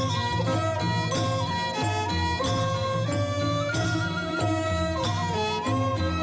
จริง